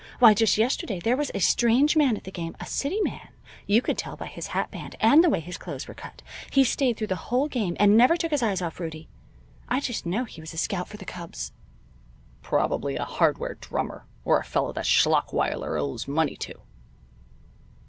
Why just yesterday there was a strange man at the game a city man, you could tell by his hat band, and the way his clothes were cut. He stayed through the whole game, and never took his eyes off Rudie. I just know he was a scout for the Cubs." "Probably a hardware drummer, or a fellow that Schlachweiler owes money to."